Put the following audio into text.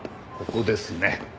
ここですね。